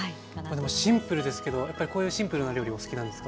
シンプルですけどやっぱりこういうシンプルな料理お好きなんですか？